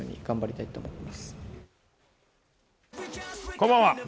こんばんは。